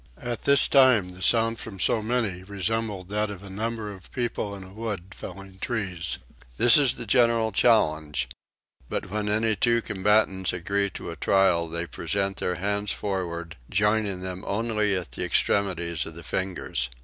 At this time the sound from so many resembled that of a number of people in a wood felling trees. This is the general challenge; but when any two combatants agree to a trial they present their hands forward, joining them only by the extremities of the fingers.